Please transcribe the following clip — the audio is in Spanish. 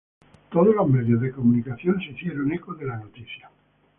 Todos los medios de comunicación se hicieron eco de la noticia.